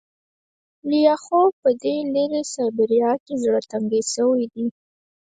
لیاخوف په دې لیرې سایبریا کې زړه تنګی شوی دی